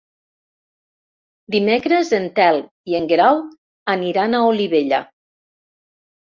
Dimecres en Telm i en Guerau aniran a Olivella.